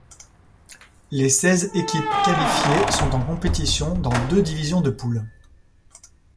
Les seize équipes qualifiées sont en compétition dans deux divisions de poules.